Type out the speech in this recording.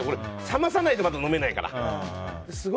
冷まさないと飲めないから。